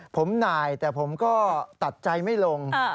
ผมหน่ายแต่ผมก็ตัดใจไม่ลง